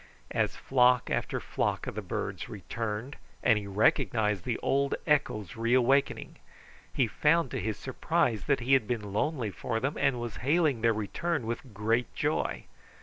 As flock after flock of the birds returned and he recognized the old echoes reawakening, he found to his surprise that he had been lonely for them and was hailing their return with great joy.